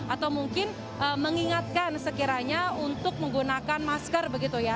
atau mungkin mengingatkan sekiranya untuk menggunakan masker begitu ya